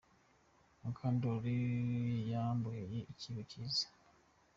Mukandoli yamboheye ikibo kiza.